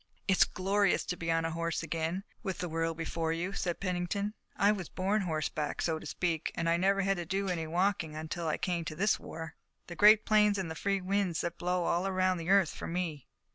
"It's glorious to be on a horse again, with the world before you," said Pennington. "I was born horseback, so to speak, and I never had to do any walking until I came to this war. The great plains and the free winds that blow all around the earth for me."